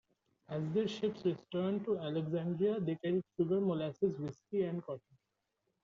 As their ships returned to Alexandria, they carried sugar, molasses, whiskey, and cotton.